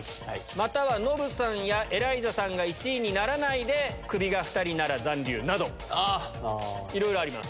またはノブさんやエライザさんが１位にならないでクビが２人なら残留などいろいろあります。